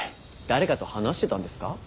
誰かと話してたんですか？